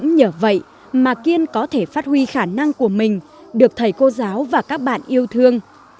nhờ vậy mà kiên có thể phát huy khả năng của mình được thầy cô giáo và các bạn yêu thương